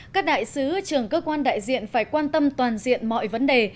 các đại sứ trưởng cơ quan đại diện phải quan tâm toàn diện mọi vấn đề